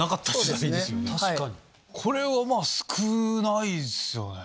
これは少ないっすよね。